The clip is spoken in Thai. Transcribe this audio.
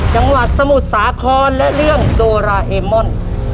จังหวัดสมุทรสาครและเรื่องโดราเอมอน